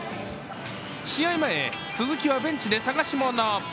試合前、鈴木はベンチで捜し物。